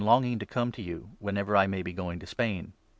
373 longing to come to you whenever I may be going to Spain.